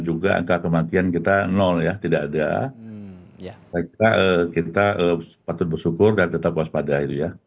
juga angka kematian kita nol ya tidak ada ya kita kita harus bersyukur dan tetap waspada itu ya kita patut bersyukur dan tetap waspada itu ya